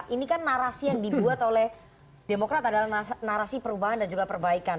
ini kan narasi yang dibuat oleh demokrat adalah narasi perubahan dan juga perbaikan